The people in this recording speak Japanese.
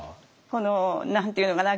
この何て言うのかな